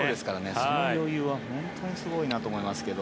その余裕は本当にすごいなと思いますけど。